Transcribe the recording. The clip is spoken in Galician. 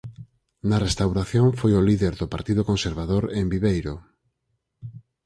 Na Restauración foi o líder do Partido Conservador en Viveiro.